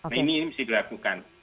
nah ini bisa dilakukan